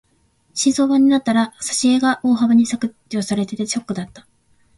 新装版になったら挿絵が大幅に削除されていてショックだった。